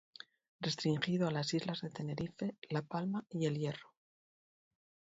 Restringido a las islas de Tenerife, La Palma y El Hierro.